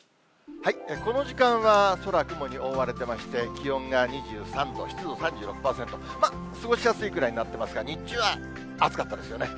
この時間は空、雲に覆われてまして、気温が２３度、湿度３６％、過ごしやすいくらいになってますが、日中は暑かったですよね。